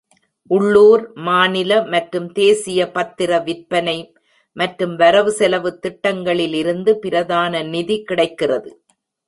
உள்ளூர், மாநில மற்றும் தேசிய பத்திர விற்பனை மற்றும் வரவு செலவுத் திட்டங்களிலிருந்து பிரதான நிதி கிடைக்கிறது.